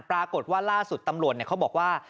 ปรากฏว่าล่าสุดตำรวจเขาบอกว่า